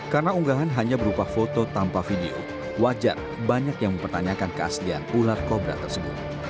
karena unggahan hanya berupa foto tanpa video wajar banyak yang mempertanyakan keaslian ular cobra tersebut